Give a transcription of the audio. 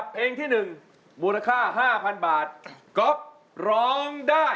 เพลงที่๑มูลค่า๕๐๐๐บาทกบร้อง